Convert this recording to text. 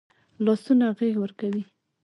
لاسونه غېږ ورکوي